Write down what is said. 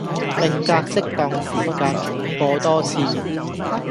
並隔適當時間重播多次